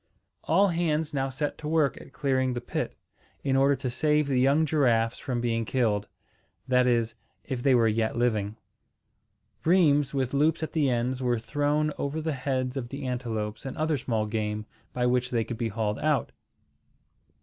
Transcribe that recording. All hands now set to work at clearing the pit, in order to save the young giraffes from being killed; that is, if they were yet living. Rheims with loops at the ends were thrown over the heads of the antelopes and other small game, by which they could be hauled out.